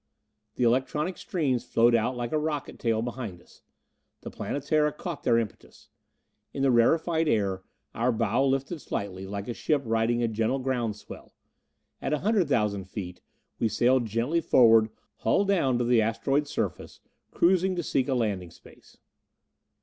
The electronic streams flowed out like a rocket tail behind us. The Planetara caught their impetus. In the rarified air, our bow lifted slightly, like a ship riding a gentle ground swell. At a hundred thousand feet we sailed gently forward, hull down to the asteroid's surface, cruising to seek a landing space.